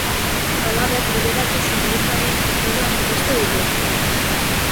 Halaber, liberatu sindikalen kopurua murriztu dute.